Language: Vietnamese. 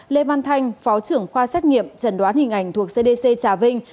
lê văn thanh phó trưởng khoa xét nghiệm trần đoán hình ảnh thuộc cdc trà vinh